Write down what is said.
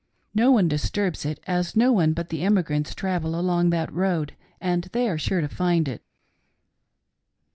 No one disturbs it, as no one but the emigrants travel along that road, and they are sure to find it.